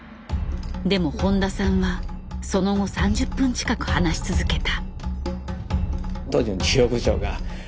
でも誉田さんはその後３０分近く話し続けた。